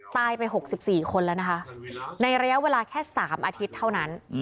ตายไป๖๔คนแล้วนะคะในระยะเวลาแค่๓อาทิตย์เท่านั้น